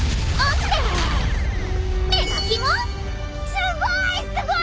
すごい！